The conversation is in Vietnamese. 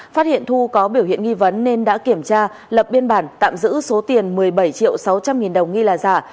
phát hiện thu có biểu hiện nghi vấn nên đã kiểm tra lập biên bản tạm giữ số tiền một mươi bảy triệu sáu trăm linh nghìn đồng nghi là giả